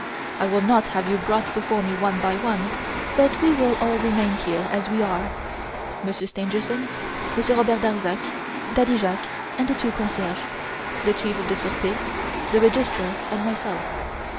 I will not have you brought before me one by one, but we will all remain here as we are, Monsieur Stangerson, Monsieur Robert Darzac, Daddy Jacques and the two concierges, the Chief of the Surete, the Registrar, and myself.